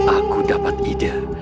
aku dapat ide